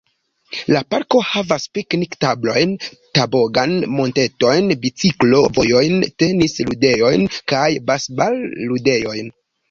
La parko havas piknik-tablojn, tobogan-montetojn, biciklo-vojojn, tenis-ludejojn, kaj basbal-ludejojn.